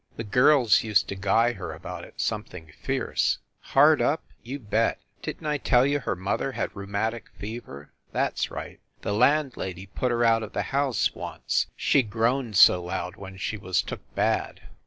The girls used to guy her about it something fierce. Hard up ? You bet ! Didn t I tell you her mother had rheumatic fever? That s right! The landlady put her out of the house once, she groaned so loud 1 72 FIND THE WOMAN when she was took bad.